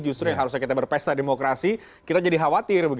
justru yang harusnya kita berpesta demokrasi kita jadi khawatir begitu bagaimana pak